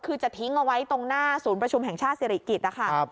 คือจะทิ้งเอาไว้ตรงหน้าศูนย์ประชุมแห่งชาติศิริกิจนะคะ